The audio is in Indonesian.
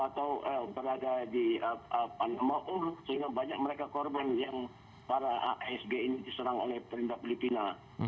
atau berada di maum sehingga banyak mereka korban yang para asg ini diserang oleh perintah filipina